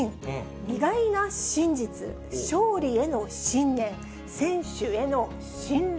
意外な信実、勝利への信念、選手への信頼。